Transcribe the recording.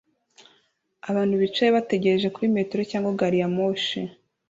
Abantu bicaye bategereje kuri metero cyangwa gariyamoshi